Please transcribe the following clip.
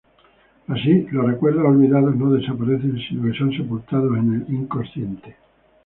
Así, los recuerdos olvidados no desaparecen, sino que son sepultados en el inconsciente.